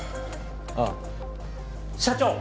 ああ社長！